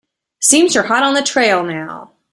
Seems you're hot on the trail now.